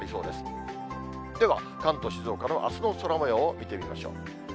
では、関東、静岡のあすの空もようを見てみましょう。